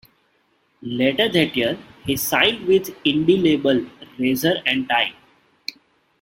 Later that year, he signed with indie label Razor and Tie.